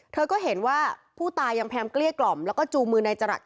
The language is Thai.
เธอก็เห็นว่าผู้ตายยังพยายามเกลี้ยกล่อมแล้วก็จูงมือนายจรัส